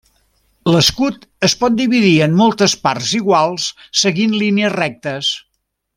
L'escut es pot dividir en moltes parts iguals, seguint línies rectes.